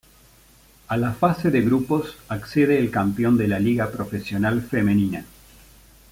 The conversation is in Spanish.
A la fase de grupos accede el campeón de la Liga Profesional Femenina.